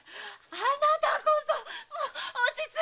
あなたこそ落ち着いてください！